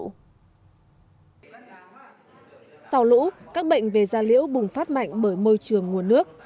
sau lũ các bệnh về da liễu bùng phát mạnh bởi môi trường nguồn nước